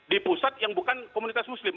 di pusat yang bukan komunitas muslim